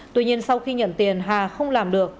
tuy nhiên sau khi nhận tiền hà không làm được